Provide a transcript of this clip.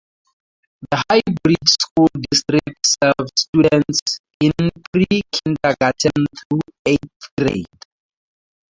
The High Bridge School District serves students in pre-kindergarten through eighth grade.